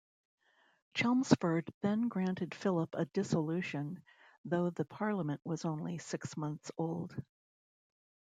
Chelmsford then granted Philp a dissolution, though the parliament was only six months old.